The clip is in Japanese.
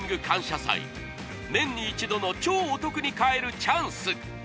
感謝祭年に一度の超お得に買えるチャンス！